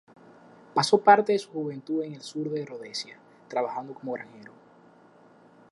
Pasó parte de su juventud en el sur de Rodesia, trabajando como granjero.